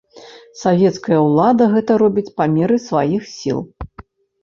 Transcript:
Савецкая ўлада гэта робіць па меры сваіх сіл.